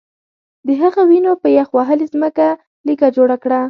د هغه وینو په یخ وهلې ځمکه لیکه جوړه کړه